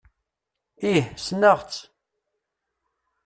Ih sneɣ-tt.